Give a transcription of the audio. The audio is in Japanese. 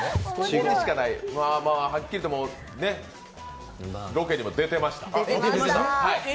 はっきり言って、ロケにも出てました。